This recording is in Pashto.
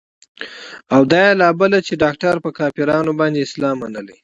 او دا يې لا بله چې ډاکتر پر کافرانو باندې اسلام منلى.